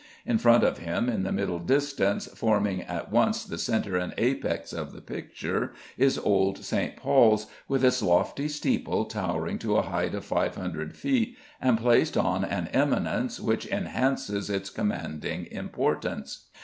In front of him, in the middle distance, forming at once the centre and apex of the picture, is old St. Paul's, with its lofty steeple towering to a height of 500 feet, and placed on an eminence which enhances its commanding importance.